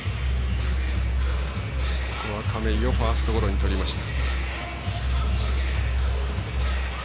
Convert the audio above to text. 亀井をファーストゴロにとりました。